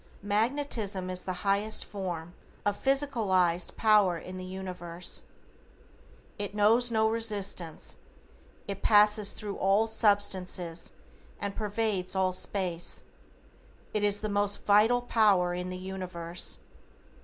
Magnetism is the highest form of physicalized power in the universe. It knows no resistance, it passes thru all substances and pervades all space. It is the most vital power in the universe.